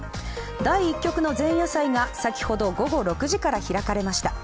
第１局の前夜祭が先ほど午後６時から開かれました。